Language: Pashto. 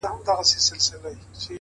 o ما خپل گڼي اوس يې لا خـپـل نه يـمه؛